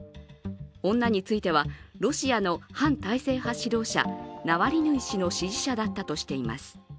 女についてはロシアの反体制派指導者ナワリヌイ氏の支持者だったとしています。